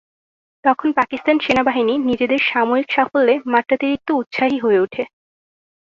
তখন পাকিস্তান সেনাবাহিনী নিজেদের সাময়িক সাফল্যে মাত্রাতিরিক্ত উৎসাহী হয়ে ওঠে।